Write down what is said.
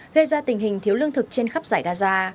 gây ra tình hình thiếu lương thực trên khắp giải gaza